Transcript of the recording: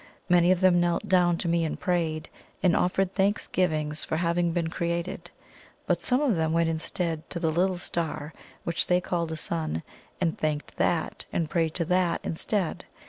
Many of them knelt down to me and prayed, and offered thanksgivings for having been created; but some of them went instead to the little star, which they called a sun, and thanked that, and prayed to that instead.